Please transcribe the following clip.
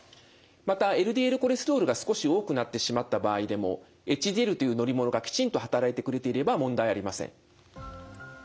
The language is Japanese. またＬＤＬコレステロールが少し多くなってしまった場合でもＨＤＬという乗り物がきちんと働いてくれていれば問題ありません。